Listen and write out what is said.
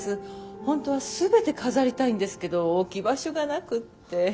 本当は全て飾りたいんですけど置き場所がなくって。